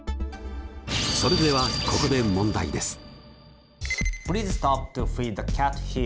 それではここで問題です。